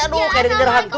aduh kayak dia ngejar hantu